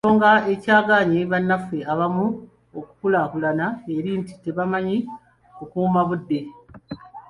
Ensonga ekyagaanyi bannaffe abamu okukulaakulana eri nti tebamanyi kukuuma budde.